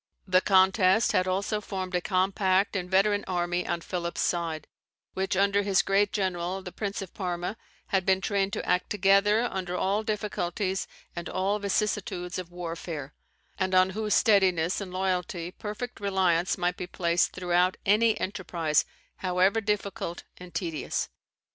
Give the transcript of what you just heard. The contest had also formed a compact and veteran army on Philip's side, which, under his great general, the Prince of Parma, had been trained to act together under all difficulties and all vicissitudes of warfare; and on whose steadiness and loyalty perfect reliance might be placed throughout any enterprise, however difficult and tedious.